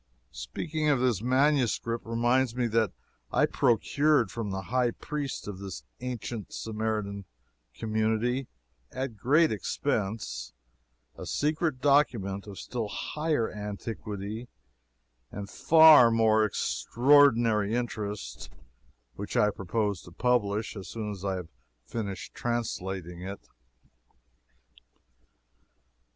Speaking of this MSS. reminds me that I procured from the high priest of this ancient Samaritan community, at great expense, a secret document of still higher antiquity and far more extraordinary interest, which I propose to publish as soon as I have finished translating it.